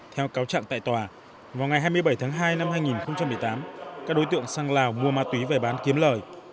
theo cáo trạng tại tòa vào ngày hai mươi bảy tháng hai năm hai nghìn một mươi tám các đối tượng sang lào mua ma túy về bán kiếm lời